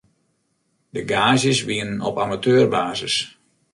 De gaazjes wienen op amateurbasis.